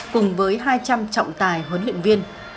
cùng với hai trăm linh trọng tài huấn luyện viên